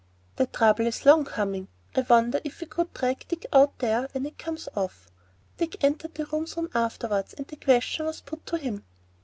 "That trouble is long coming. I wonder if we could drag Dick out there when it comes off?" Dick entered the room soon afterwards, and the question was put to him.